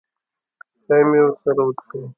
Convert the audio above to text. چای مې ورسره وڅښلې.